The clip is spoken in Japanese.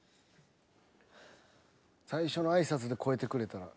最初の挨拶で超えてくれたら。